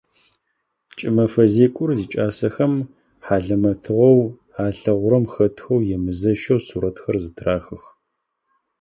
Кӏымэфэ зекӏор зикӏасэхэм хьалэмэтыгъэу алъэгъурэм хэтхэу емызэщэу сурэтхэр зытрахых.